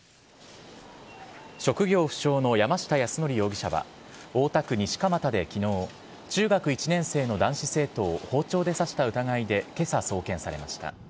職業不詳の山下泰範容疑者は大田区西蒲田で昨日中学１年生の男子生徒を包丁で刺した疑いで今朝、送検されました。